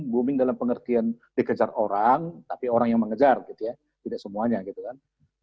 booming dalam pengertian dikejar orang tapi orang yang mengejar gitu ya tidak semuanya gitu kan